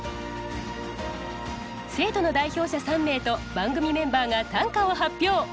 生徒の代表者３名と番組メンバーが短歌を発表。